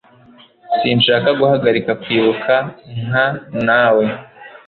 Sinshaka guhagarika kwibuka nka nawe.